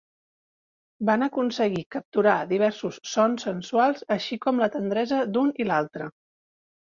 Van aconseguir capturar diversos sons sensuals, així com la tendresa d'un i l'altre.